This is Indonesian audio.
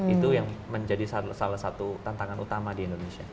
itu yang menjadi salah satu tantangan utama di indonesia